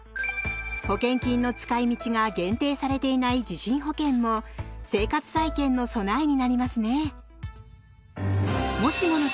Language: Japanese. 保険金の使い道が限定されていない地震保険も生活再建の備えになりますね。